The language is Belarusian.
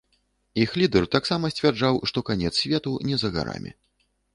Іх лідэр таксама сцвярджаў, што канец свету не за гарамі.